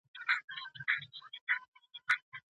نو اسلامي شريعت د خاوند او ميرمني تر منځ.